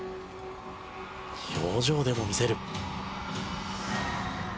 表情でも見せる。